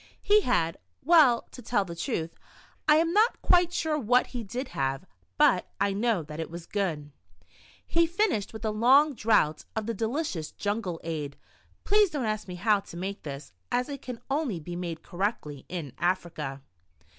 He had — well, to tell the truth, I am not quite sure what he did have, but I know that it was good. He finished with a long draught of the delicious jungie ade (please don't ask me how to make this, as it can only be made correctly in Africa).